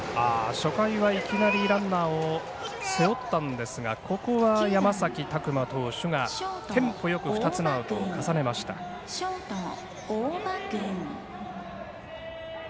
初回は、いきなりランナーを背負ったんですがここは山崎琢磨投手がテンポよく２つのアウトを重ねました。